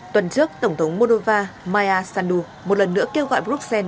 tuần trước tổng thống moldova maya sandu một lần nữa kêu gọi bruxelles